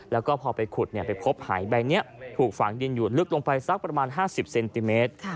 แล้วก็พอไปขุดไปพบหายใบนี้ถูกฝังดินอยู่ลึกลงไปสักประมาณ๕๐เซนติเมตร